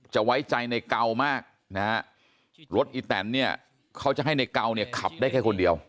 ไว้ใจในเก่ามากนะฮะรถอีแตนเนี่ยเขาจะให้ในเกาเนี่ยขับได้แค่คนเดียว